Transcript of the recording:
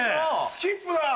スキップが！